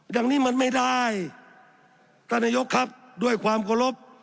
อย่างนี้มันไม่ได้ท่านนายกครับด้วยความเคารพ